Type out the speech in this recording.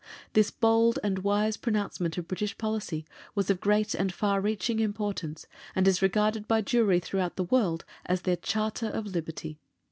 This bold and wise pronouncement of British policy was of great and far reaching importance, and is regarded by Jewry throughout the world as their Charter of Liberty.